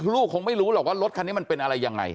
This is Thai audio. ลูกคงไม่รู้หรอกว่ารถคันนี้มันเป็นอะไรยังไง